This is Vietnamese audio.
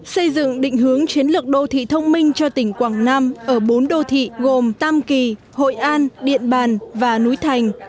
xây dựng định hướng chiến lược đô thị thông minh cho tỉnh quảng nam ở bốn đô thị gồm tam kỳ hội an điện bàn và núi thành